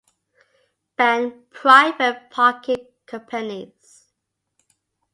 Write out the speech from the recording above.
Ban private parking companies.